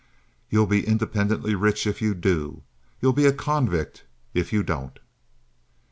You'll be independently rich if you do. You'll be a convict if you don't."